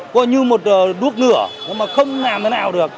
coi như một đuốc nửa nhưng mà không làm thế nào được